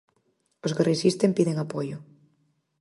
Os que resisten piden apoio.